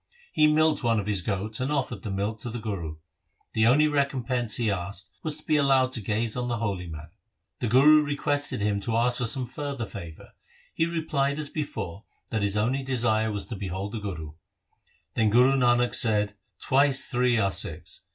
He milked one of his goats, and offered the milk to the Guru. The only recompense he asked was to be allowed to gaze on the holy man. The Guru requested him to ask for some further favour. He replied as before, that his only desire was to behold the Guru. Then Guru Nanak said, "Twice three are six.